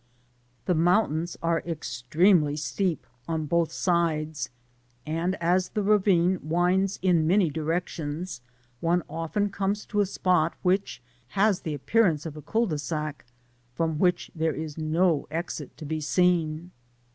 The mountahis mre eztremdy tteep on both sides, and, as the ravine winds in many directions, one often comes to a spot which has the appearance of a Cul de sac, fro^ whicht there is no exit to be seen.